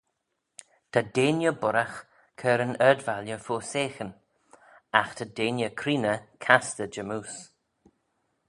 Ta deiney boiragh cur yn ard-valley fo seaghyn: agh ta deiney creeney castey jymmoose.